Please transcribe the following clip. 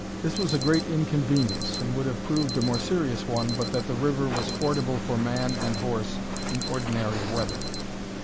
This was a great inconvenience, and would have proved a more serious one, but that the river was fordable for man and horse in ordinary weather.